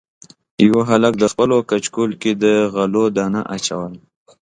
یوه هلک د خپلو کچکول کې د غلو دانه اچوله.